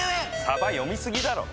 さば読みすぎだろ！